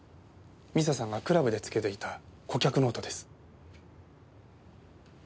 未紗さんがクラブでつけていた顧客ノートです。